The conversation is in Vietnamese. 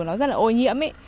nó rất là ô nhiễm ý